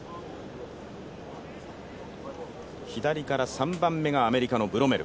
左から３番目がアメリカのブロメル。